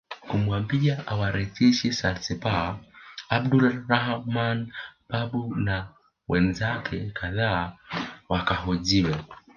Kumwambia awarejeshe Zanzibar Abdulrahman Babu na wenzake kadhaa wakahojiwe